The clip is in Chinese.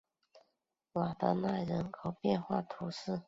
瓦德奈人口变化图示